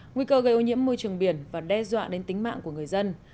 nguy cơ gây ô nhiễm môi trường biển và đe dọa đến tính mạng của người dân